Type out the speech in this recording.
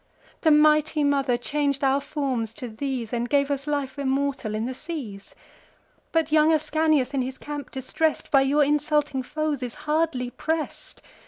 The mighty Mother chang'd our forms to these, And gave us life immortal in the seas. But young Ascanius, in his camp distress'd, By your insulting foes is hardly press'd.